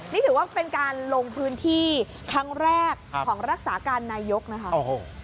นี่ถือว่าเป็นการลงพื้นที่ครั้งแรกของรักษาการนายกนะคะ